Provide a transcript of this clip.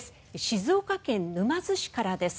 静岡県沼津市からです。